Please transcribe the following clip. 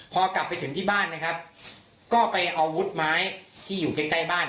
พอกลับไปถึงที่บ้านก็ไปเอาวุฒิไม้ที่อยู่ใกล้บ้าน